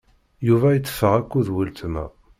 Yuba iteffeɣ akked weltma.